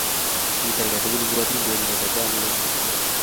kit ak atugul ko atindet nebo chamiet